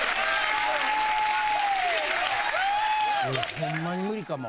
・ホンマに無理かも。